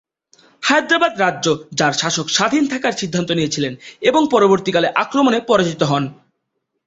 হায়দ্রাবাদ রাজ্য, যার শাসক স্বাধীন থাকার সিদ্ধান্ত নিয়েছিলেন এবং পরবর্তীকালে আক্রমণে পরাজিত হন।